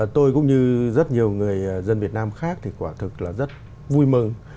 tôi cũng như rất nhiều người dân việt nam khác thì quả thực là rất vui mừng